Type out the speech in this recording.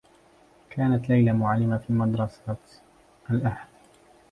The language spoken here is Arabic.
كانت ليلى معلّمة في مدرسة الأحد.